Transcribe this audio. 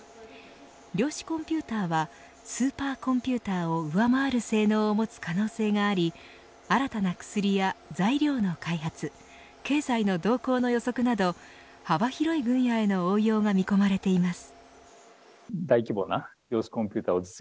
量子コンピューターはスーパーコンピューターを上回る性能を持つ可能性があり新たな薬や材料の開発経済の動向の予測など幅広い分野への応用が見込まれています。